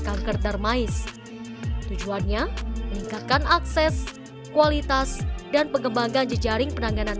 kanker darmais tujuannya meningkatkan akses kualitas dan pengembangan jejaring penanganan